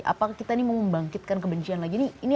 apakah kita ini mau membangkitkan kebencian lagi nih